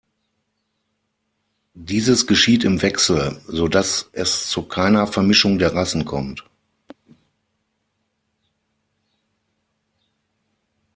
Dieses geschieht im Wechsel, so dass es zu keiner Vermischung der Rassen kommt.